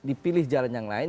jadi dipilih jalan yang lain